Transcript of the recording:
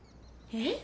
えっ？